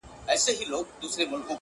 • هله تياره ده په تلوار راته خبري کوه؛